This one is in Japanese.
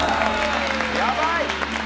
やばい！